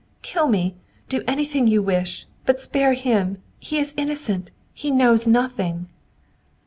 "Kill me! Do anything you wish. But spare him! He is innocent! He knows nothing!"